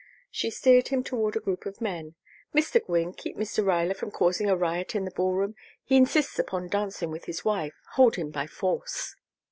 She steered him toward a group of men. "Mr. Gwynne, keep Mr. Ruyler from causing a riot in the ballroom. He insists upon dancing with his wife. Hold him by force."